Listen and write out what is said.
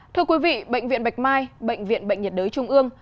thưa quý vị bệnh viện bạch mai bệnh viện bệnh nhiệt đới trung ương